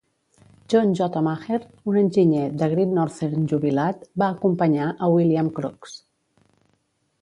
John J. Maher, un enginyer de Great Northern jubilat, va acompanyar a "William Crooks".